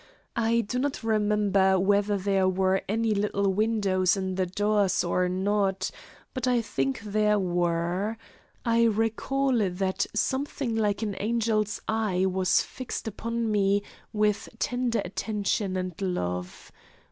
I do not remember whether there were any little windows in the doors or not, but I think there were. I recall that something like an angel's eye was fixed upon me with tender attention and love.